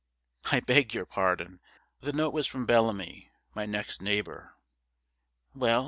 'I beg your pardon. The note was from Bellamy, my next neighbour. Well?